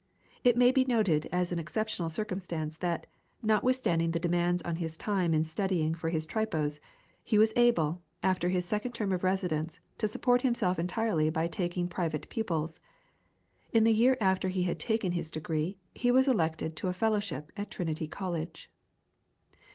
It may be noted as an exceptional circumstance that, notwithstanding the demands on his time in studying for his tripos, he was able, after his second term of residence, to support himself entirely by taking private pupils. In the year after he had taken his degree he was elected to a Fellowship at Trinity College.